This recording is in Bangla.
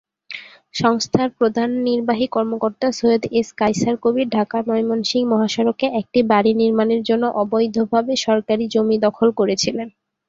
সংস্থার প্রধান নির্বাহী কর্মকর্তা সৈয়দ এস কায়সার কবির ঢাকা-ময়মনসিংহ মহাসড়কে একটি বাড়ি নির্মাণের জন্য অবৈধভাবে সরকারী জমি দখল করেছিলেন।